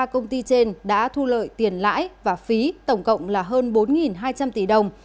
ba công ty trên đã thu lợi tiền lãi và phí tổng cộng là hơn bốn hai trăm linh tỷ đồng